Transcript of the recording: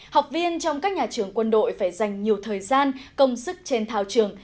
học viên trong các nhà trường quân đội phải dành nhiều thời gian công sức trên thao trường